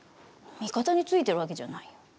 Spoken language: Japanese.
味方についてるわけじゃないよ。